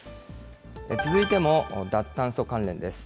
続いても脱炭素関連です。